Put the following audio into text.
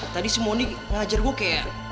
tadi si moni ngajar gue kayak